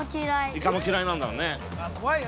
◆イカも嫌いなんだよね。